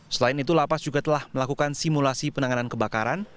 selain itu lapas juga telah melakukan simulasi penanganan kebakaran